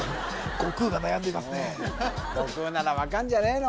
悟空なら分かんじゃねえの？